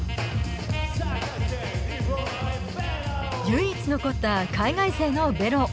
唯一残った海外勢のＶｅｒｏ。